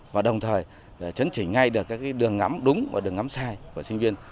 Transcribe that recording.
và đồng thời chấn chỉnh ngay được các đường ngắm đúng và đường ngắm sai của sinh viên